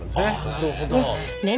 なるほど。